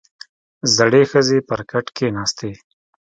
• زړې ښځې پر کټ کښېناستې.